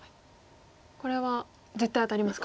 これは絶対当たりますか。